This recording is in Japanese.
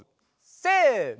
せの！